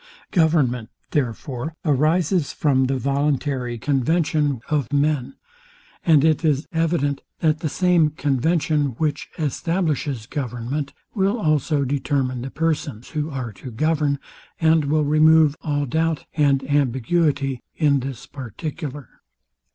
Government, therefore, arises from the same voluntary conversation of men; and it is evident, that the same convention, which establishes government, will also determine the persons who are to govern, and will remove all doubt and ambiguity in this particular.